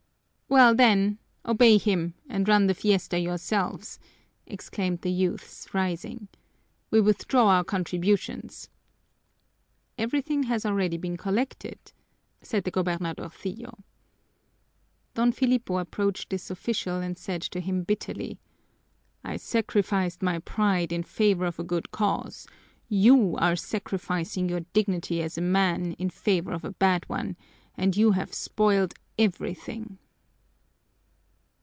"Well then, obey him, and run the fiesta yourselves," exclaimed the youths, rising. "We withdraw our contributions." "Everything has already been collected," said the gobernadorcillo. Don Filipo approached this official and said to him bitterly, "I sacrificed my pride in favor of a good cause; you are sacrificing your dignity as a man in favor of a bad one, and you've spoiled everything."